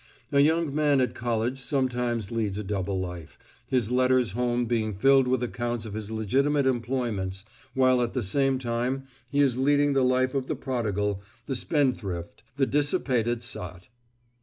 A young man at college sometimes leads a double life, his letters home being filled with accounts of his legitimate employments, while at the same time he is leading the life of the prodigal, the spendthrift, the dissipated sot.